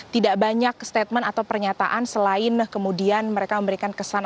tidak banyak statement atau pernyataan selain kemudian mereka memberikan kesan